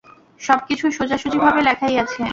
সবকিছু সোজাসুজিভাবে লেখাই আছে!